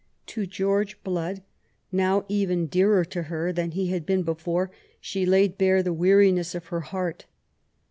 To G eorge Blood, now even dearer to her than he had been before, she laid bare the weariness of her heart.